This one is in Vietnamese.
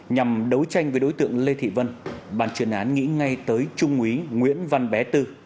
nhằm đấu tranh với đối tượng lê thị vân bàn chuyên án nghĩ ngay tới trung úy nguyễn văn bé tư